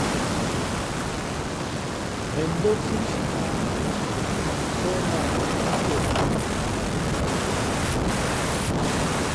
Ghen ndómsí nshi hᾱ ā, n ndah sóh nā a cʉ̄ʼcôʼ.